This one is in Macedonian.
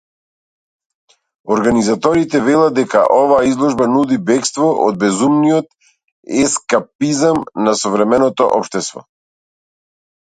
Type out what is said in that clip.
Организаторите велат дека оваа изложба нуди бегство од безумниот ескапизам на современото општество.